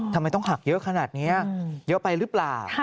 ทำไมต้องหักเยอะขนาดนี้เยอะไปหรือเปล่า